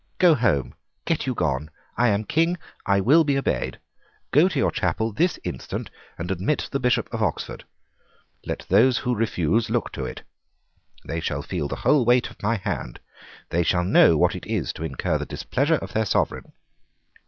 Go home. Get you gone. I am King. I will be obeyed. Go to your chapel this instant; and admit the Bishop of Oxford. Let those who refuse look to it. They shall feel the whole weight of my hand. They shall know what it is to incur the displeasure of their Sovereign."